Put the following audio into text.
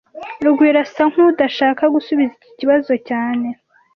Rugwiro asa nkudashaka gusubiza iki kibazo cyane